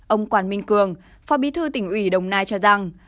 ông quản minh cường phó bí thư tỉnh ủy đồng nai cho rằng